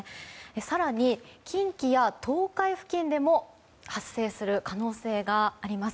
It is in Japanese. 更に近畿や東海付近でも発生する可能性があります。